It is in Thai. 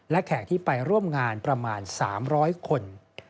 และแขกที่ไปร่วมงานประมาณ๓๐๐คน